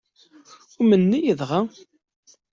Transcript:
Umnen-iyi dɣa?